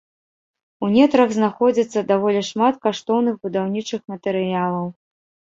У нетрах знаходзіцца даволі шмат каштоўных будаўнічых матэрыялаў.